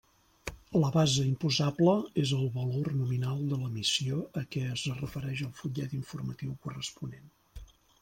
La base imposable és el valor nominal de l'emissió a què es refereix el fullet informatiu corresponent.